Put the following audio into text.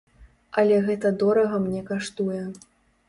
Але гэта дорага мне каштуе.